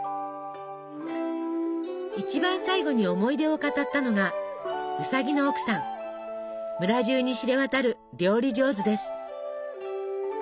一番最後に思い出を語ったのが村中に知れ渡る料理上手です。